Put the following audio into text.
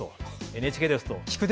ＮＨＫですと。